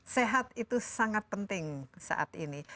sehat itu sangat penting saat ini